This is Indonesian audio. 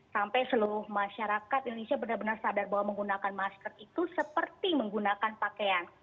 sampai seluruh masyarakat indonesia benar benar sadar bahwa menggunakan masker itu seperti menggunakan pakaian